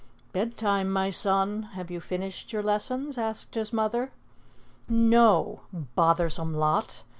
"Bedtime, my son. Have you finished your lessons?" asked his mother. "No! Bothersome lot!